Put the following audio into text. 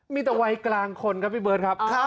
มีแต่วัยกลางคนครับพี่เบิร์ตครับ